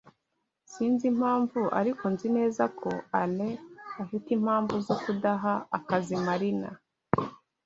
Sinzi impamvu, ariko nzi neza ko Alain afite impamvu zo kudaha akazi Marina.